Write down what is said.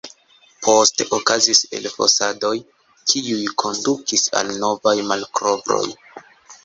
Poste okazis elfosadoj, kiuj kondukis al novaj malkovroj.